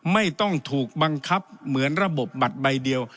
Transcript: ไม่ต้องถูกบังคับเหมือนระบบบัตรใบเดียว